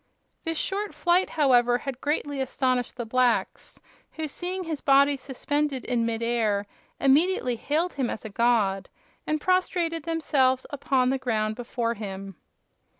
This short flight, however, had greatly astonished the blacks, who, seeing his body suspended in mid air, immediately hailed him as a god, and prostrated themselves upon the ground before him.